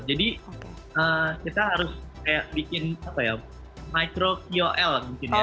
jadi kita harus kayak bikin apa ya micro qol mungkin ya